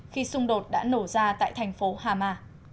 khi xung đột đã nổ ra tại thành phố hama